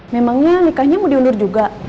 memangnya nikahnya mau diundur juga